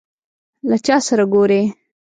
له چا سره ګورې ؟